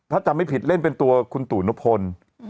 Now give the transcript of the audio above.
ถ้าจำไม่ผิดเล่นเป็นตัวคุณตู่นพล